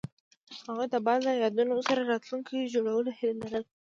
هغوی د باد له یادونو سره راتلونکی جوړولو هیله لرله.